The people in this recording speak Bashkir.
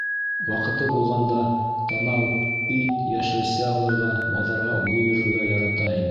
Ваҡыты булғанда Танау ит, йәшелсә алырға баҙарға үҙе йөрөргә ярата ине.